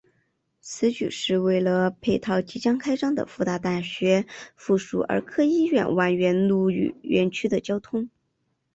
此举是为了配套即将开张的复旦大学附属儿科医院万源路院区的交通。